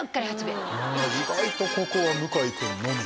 意外とここは向井君のみ。